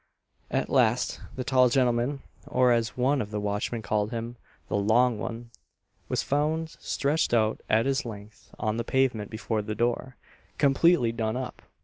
At last the tall gentleman or, as one of the watchmen called him, "the long one" was found stretched out at his length on the pavement before the door, completely done up.